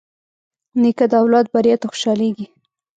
نیکه د اولاد بریا ته خوشحالېږي.